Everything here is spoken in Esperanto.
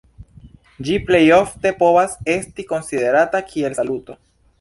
Ĝi plejofte povas esti konsiderata kiel saluto.